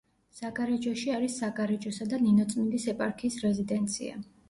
საგარეჯოში არის საგარეჯოსა და ნინოწმინდის ეპარქიის რეზიდენცია.